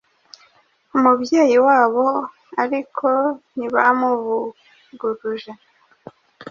umubyeyi wabo ariko ntibamuvuguruje.